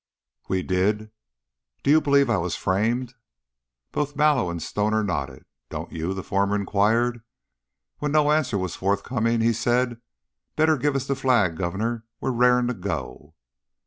"We did." "Do you believe I was framed?" Both Mallow and Stoner nodded. "Don't you?" the former inquired. When no answer was forthcoming, he said: "Better give us the flag, Governor. We're rar'ing to go."